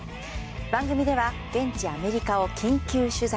番組では現地アメリカを緊急取材。